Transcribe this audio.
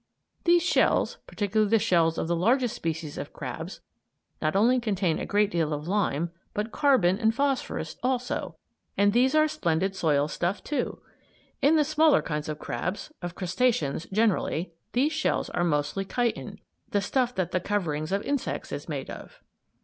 These shells particularly the shells of the largest species of crabs not only contain a great deal of lime but carbon and phosphorus, also, and these are splendid soil stuff, too. In the smaller kinds of crabs of crustaceans, generally these shells are mostly chitin, the stuff that the coverings of insects is made of.